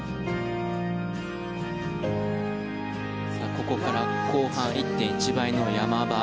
ここから後半１．１倍の山場。